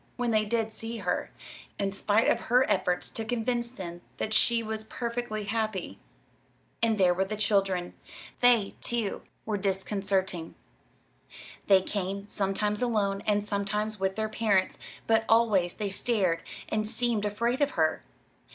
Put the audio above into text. when they did see her, in spite of her efforts to convince them that she was perfectly happy. And there were the children they, too, were disconcerting. They came, sometimes alone, and sometimes with their parents, but always they stared and seemed afraid of her.